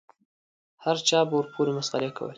هر چا به ورپورې مسخرې کولې.